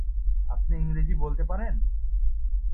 আপনি ইংরাজি বলতে পারেন?